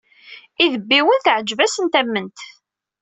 Idebbiwen teɛǧeb-asen tament.